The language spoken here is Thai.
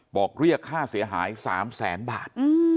บอกเรียกค่าเสียหาย๓แสนบาท